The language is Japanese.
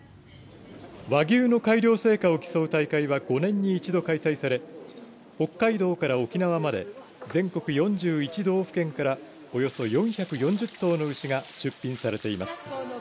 和牛の改良成果を競う大会は５年に一度開催され北海道から沖縄まで全国４１道府県からおよそ４４０頭の牛が出品されています。